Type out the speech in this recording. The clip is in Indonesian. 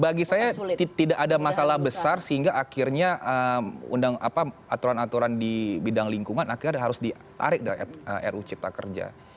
bagi saya tidak ada masalah besar sehingga akhirnya aturan aturan di bidang lingkungan akhirnya harus ditarik dari ru cipta kerja